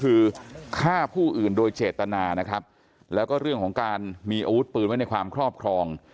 คือฆ่าผู้อื่นโดยเจตนานะครับแล้วก็เรื่องของการมีอาวุธปืนไว้ในความครอบครอง